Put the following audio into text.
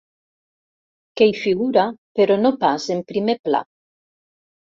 Que hi figura, però no pas en primer pla.